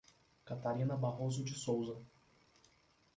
Catarina Barroso de Souza